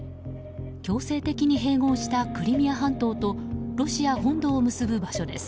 強制的に併合したクリミア半島とロシア本土を結ぶ場所です。